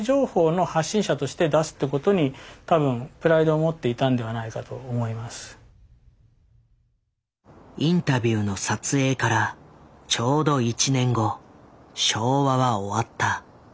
やっぱり父の口からインタビューの撮影からちょうど１年後昭和は終わった。